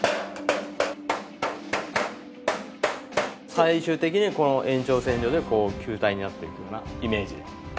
最終的にこの延長線上でこう球体になっていくようなイメージで。